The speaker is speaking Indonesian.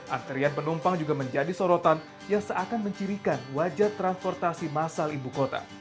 antrian penumpang juga menjadi sorotan yang seakan mencirikan wajah transportasi masal ibu kota